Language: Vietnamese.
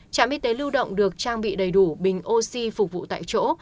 trạm y tế lưu động được trang bị đầy đủ bình oxy phục vụ tại chỗ